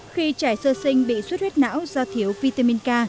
khi trẻ sơ sinh bị suất huyết não do thiếu vitamin k